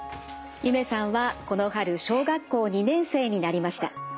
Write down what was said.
ゆめさんはこの春小学校２年生になりました。